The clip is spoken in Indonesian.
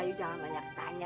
kayu jangan banyak tanya